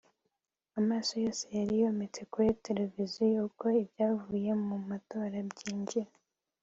amaso yose yari yometse kuri televiziyo uko ibyavuye mu matora byinjira